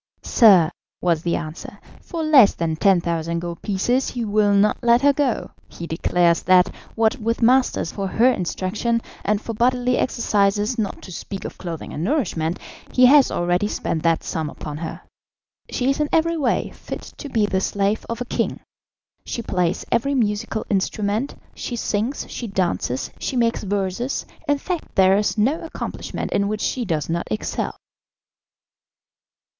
"Sir," was the answer, "for less than 10,000 gold pieces he will not let her go; he declares that, what with masters for her instruction, and for bodily exercises, not to speak of clothing and nourishment, he has already spent that sum upon her. She is in every way fit to be the slave of a king; she plays every musical instrument, she sings, she dances, she makes verses, in fact there is no accomplishment in which she does not excel."